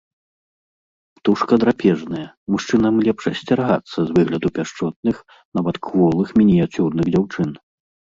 Птушка драпежная, мужчынам лепш асцерагацца з выгляду пяшчотных, нават кволых мініяцюрных дзяўчын.